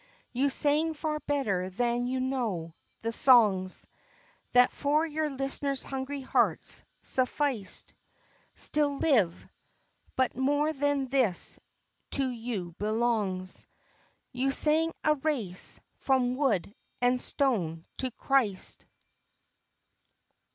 You sang far better than you knew; the songs That for your listeners' hungry hearts sufficed Still live, but more than this to you belongs: You sang a race from wood and stone to Christ.